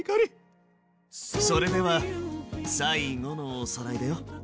それでは最後のおさらいだよ。